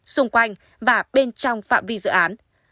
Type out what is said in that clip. xung quanh và bên trong phạm vi dự án